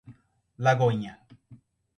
Lagoinha